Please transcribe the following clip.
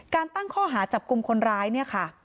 ตั้งข้อหาจับกลุ่มคนร้ายเนี่ยค่ะ